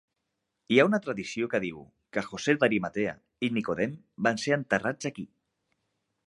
Hi ha una tradició que diu que José de Arimatea i Nicodem van ser enterrats aquí.